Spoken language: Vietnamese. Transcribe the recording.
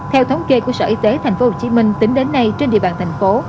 theo thống kê của sở y tế tp hcm tính đến nay trên địa bàn thành phố